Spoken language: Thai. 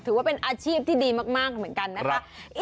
ถือว่าเป็นอาชีพที่ดีมากเหมือนกันนะคะ